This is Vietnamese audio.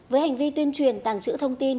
với hành vi tuyên truyền tàng trữ thông tin